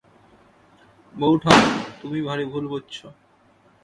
বউঠান, তুমি ভারি ভুল বুঝছ।